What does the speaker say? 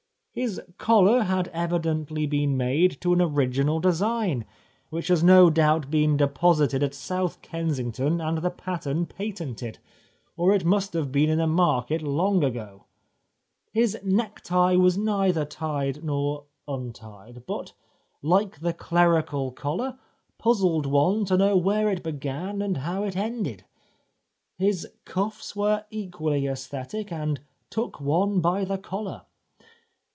His collar had evidently been made to an original design, which has no doubt been deposited at South Kensington and the pattern patented, or it must have been in the market long ago. His necktie was neither tied nor untied, but, like the clerical collar, puzzled one to know where it began and how it ended. His cufis were equally aesthetic and ' took one by the collar.'